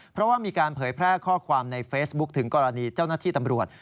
เพราะว่ามีการเผยแพร่ข้อความในเฟซบุ๊คถึงกรณีเจ้าหน้าที่ตำรวจ